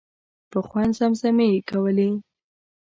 په خوند زمزمې یې کولې.